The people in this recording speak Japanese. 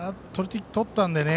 取ったのでね